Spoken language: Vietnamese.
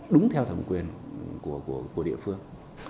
đúng theo thẩm quyền của địa phương